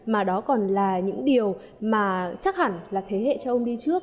mà đó còn là những điều mà chắc hẳn là thế hệ cho ông đi trước